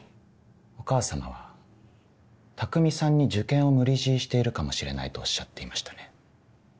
お母様は匠さんに受験を無理強いしているかもしれないとおっしゃっていましたね。